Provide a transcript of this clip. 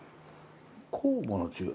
酵母の違い